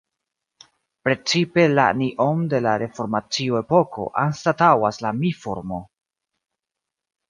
Precipe la "ni"-on de la reformacio-epoko anstataŭas la "mi"-formo.